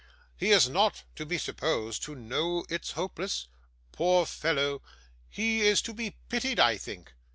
He is not to be supposed to know it's hopeless. Poor fellow! He is to be pitied, I think!